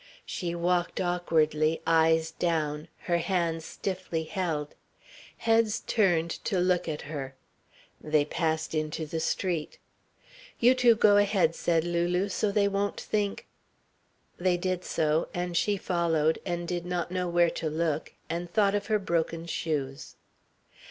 She walked awkwardly, eyes down, her hands stiffly held. Heads turned to look at her. They passed into the street. "You two go ahead," said Lulu, "so they won't think " They did so, and she followed, and did not know where to look, and thought of her broken shoes.